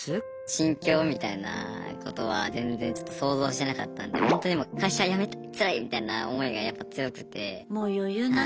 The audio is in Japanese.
心境みたいなことは全然ちょっと想像してなかったんでホントにもう会社辞めたいつらいみたいな思いがやっぱ強くて。